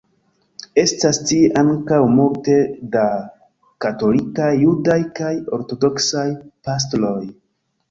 Estas tie ankaŭ multe da katolikaj, judaj kaj ortodoksaj pastroj.